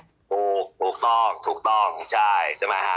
ถูกต้องถูกต้องถูกต้องใช่ใช่ไหมฮะ